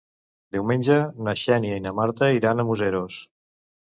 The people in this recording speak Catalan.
Diumenge na Xènia i na Marta iran a Museros.